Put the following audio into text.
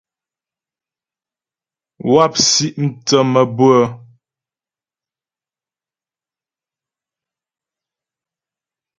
Wáp si mthə́ mabʉə́ə.